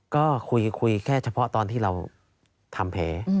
ก็คุยแค่เฉพาะตอนที่เราทำแผล